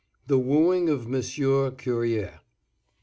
THE WOOING OF MONSIEUR CUERRIER.